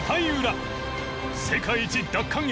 世界一奪還へ。